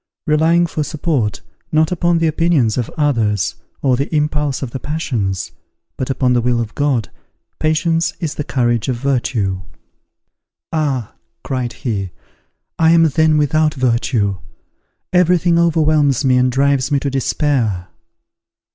Relying for support, not upon the opinions of others, or the impulse of the passions, but upon the will of God, patience is the courage of virtue." "Ah!" cried he, "I am then without virtue! Every thing overwhelms me and drives me to despair."